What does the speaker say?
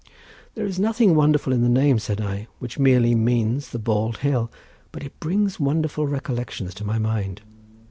"There is nothing wonderful in the name," said I, "which merely means the bald hill, but it brings wonderful recollections to my mind.